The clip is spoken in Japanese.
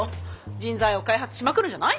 人材を開発しまくるんじゃない？